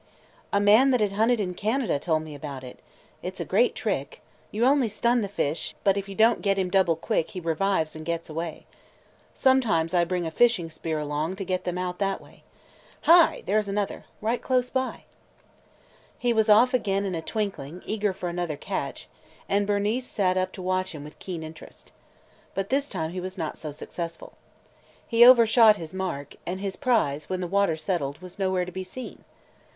"A man that had hunted in Canada told me about it. It 's a great trick. You only stun the fish, but if you don't get him double quick he revives and gets away. Sometimes I bring a fishing spear along and get them out that way. Hi! there 's another – right close by!" He was off again in a twinkling, eager for another catch, and Bernice sat up to watch him with keen interest. But this time he was not so successful. He overshot his mark, and his prize, when the water settled, was nowhere to be seen.